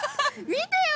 見てよ！